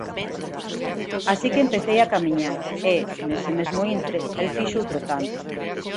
Así que empecei a camiñar, e, nese mesmo intre, el fixo outro tanto.